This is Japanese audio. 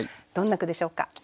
どんな句でしょうか？